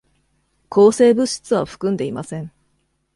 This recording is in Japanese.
抗生物質は含んでいません。